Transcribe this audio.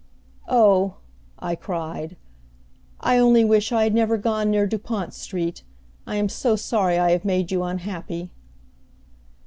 "Oh," I cried, "I only wish I had never gone near Dupont Street. I am so sorry I have made you unhappy!"